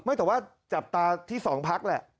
แต่ว่าจับตาที่สองพักแหละ